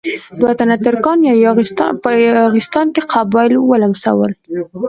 دوه تنه ترکان په یاغستان کې قبایل ولمسول.